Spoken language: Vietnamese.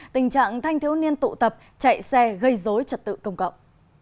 tình trạng thanh thiếu niên tụ tập chạy xe gây dối trật tự công cộng